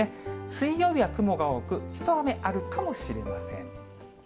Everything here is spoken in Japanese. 水曜日は雲が多く、一雨あるかもしれません。